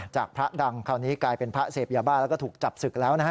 พระดังคราวนี้กลายเป็นพระเสพยาบ้าแล้วก็ถูกจับศึกแล้วนะฮะ